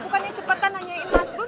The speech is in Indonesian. bukannya cepetan nanyain mas gun